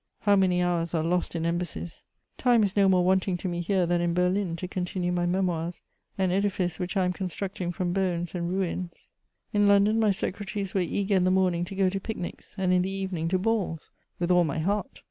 How many hours are lost in embassies! Time is no more wanting to me here than in Berlin to continue my Memoirs — an edifice which I am constructing from bones and ruins. In London my secretaries were eager in the morning to go to pic nics, and in the evening to balls. With all my heart!